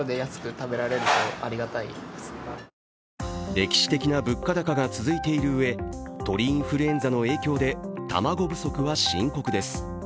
歴史的な物価高が続いているうえ鳥インフルエンザの影響で卵不足は深刻です。